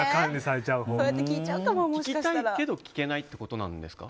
聞きたいけど聞けないってことなんですか。